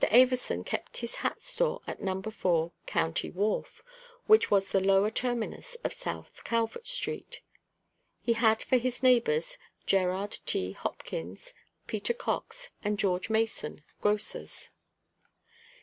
Averson kept his hat store at No. 4 County wharf, which was the lower terminus of South Calvert street; he had for his neighbors Gerard T. Hopkins, Peter Cox and George Mason, Grocers.